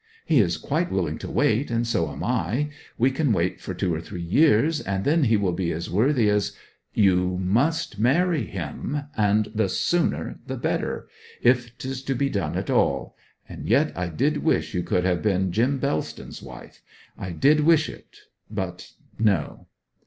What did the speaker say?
'He is quite willing to wait, and so am I. We can wait for two or three years, and then he will be as worthy as ' 'You must marry him. And the sooner the better, if 'tis to be done at all ... And yet I did wish you could have been Jim Bellston's wife. I did wish it! But no.'